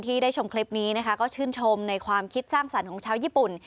ได้ชมคลิปนี้นะคะก็ชื่นชมในความคิดสร้างสรรค์ของชาวญี่ปุ่น